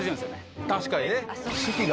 確かにね。